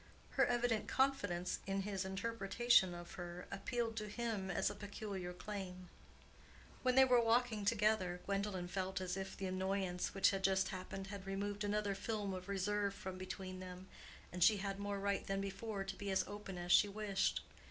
Her evident confidence in his interpretation of her appealed to him as a peculiar claim. When they were walking together, Gwendolen felt as if the annoyance which had just happened had removed another film of reserve from between them, and she had more right than before to be as open as she wished.